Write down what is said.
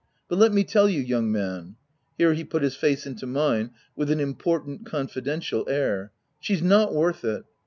" But let me tell you young man," (here he put his face into mine with an important, confidential air,) "she's not worth it